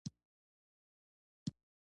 ګلداد سرتور سر وتی و.